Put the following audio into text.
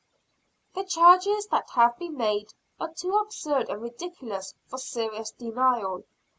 "The charges that have been made are too absurd and ridiculous for serious denial.